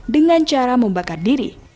dengan cara membakar diri